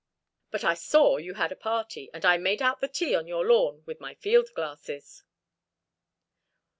But I saw you had a party, and I made out the tea on your lawn with my field glasses."